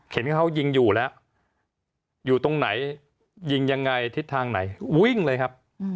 เห็นว่าเขายิงอยู่แล้วอยู่ตรงไหนยิงยังไงทิศทางไหนวิ่งเลยครับ